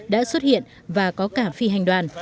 đã xuất hiện và có cả phi hành đoàn